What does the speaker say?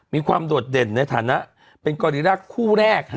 มีความโดดเด่นในฐานะเป็นกอลิราคู่แรก